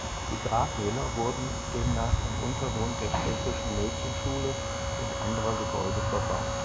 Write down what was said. Die Grabmäler wurden demnach im Untergrund der städtischen Mädchenschule und anderer Gebäude verbaut.